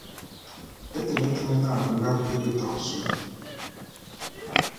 E temetem na, be nga kui beta ôsôé.